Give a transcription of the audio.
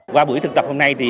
qua buổi thực tập hôm nay